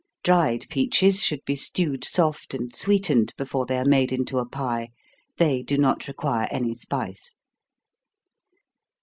Dried peaches should be stewed soft, and sweetened, before they are made into a pie they do not require any spice.